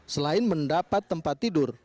selain mendapat tempat tidur